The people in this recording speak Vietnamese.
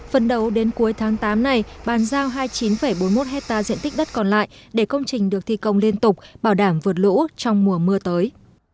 phần đầu đến cuối tháng tám này bàn giao hai mươi chín bốn mươi một hectare diện tích đất còn lại để công trình được thi công liên tục bảo đảm vượt lũ trong mùa mưa tới